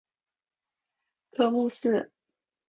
科目四